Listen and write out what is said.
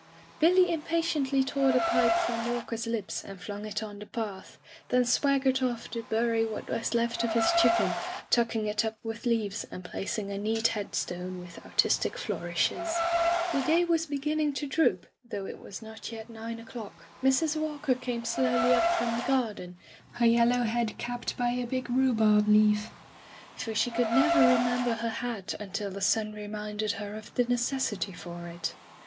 Billy impatiently tore the pipe from Walk er's lips and flung it on the path, then swag gered off to bury what was left of his chicken, tucking it up with leaves and placing a neat headstone with artistic flourishes. The day was beginning to droop, though Digitized by LjOOQ IC Interventions it was not yet nine o'clock. Mrs. Walker came slowly up from the garden, her yellow head capped by a big rhubarb leaf, for she could never remember her hat until the sun re minded her of the necessity for it.